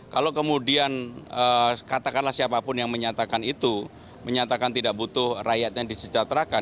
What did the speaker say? kalau kemudian katakanlah siapapun yang menyatakan itu menyatakan tidak butuh rakyatnya disejahterakan